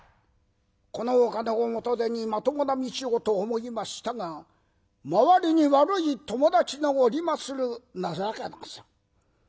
このお金を元手にまともな道をと思いましたが周りに悪い友達がおりまする情けなさ。